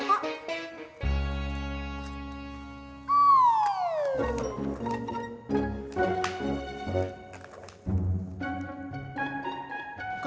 tati itu isinya kebanyakan